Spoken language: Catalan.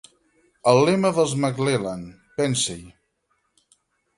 El lema dels Maclellan: Pensa-hi.